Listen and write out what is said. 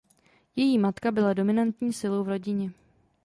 Její matka byla dominantní silou v rodině.